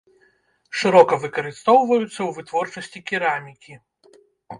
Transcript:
Шырока выкарыстоўваюцца ў вытворчасці керамікі.